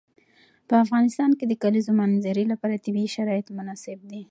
په افغانستان کې د د کلیزو منظره لپاره طبیعي شرایط مناسب دي.